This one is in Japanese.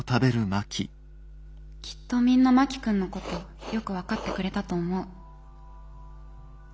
きっとみんな真木君のことよく分かってくれたと思う。